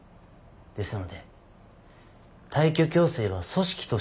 ですので退去強制は組織としての決定です。